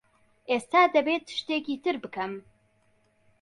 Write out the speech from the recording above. ئێستا دەبێت شتێکی تر بکەم.